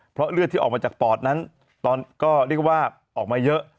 เพราะเลือดที่ออกมาจากปอดนั้นตอนก็เรียกว่าออกมาเยอะ